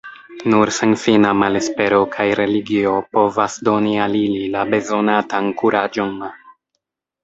Nur senfina malespero kaj religio povas doni al ili la bezonatan kuraĝon.